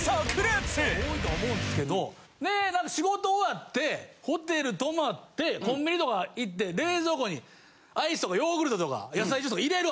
仕事終わってホテル泊まってコンビニとか行って冷蔵庫にアイスとかヨーグルトとか野菜ジュースとか入れる。